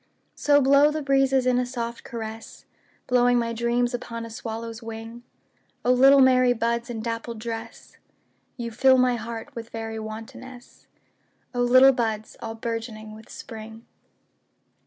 So blow the breezes in a soft caress, Blowing my dreams upon a swallow's wing;O little merry buds in dappled dress, You fill my heart with very wantonness—O little buds all bourgeoning with Spring!